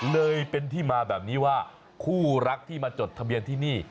เลยเป็นที่มาแบบนี้ว่าคู่รักที่มาจดทะเบียนที่นี่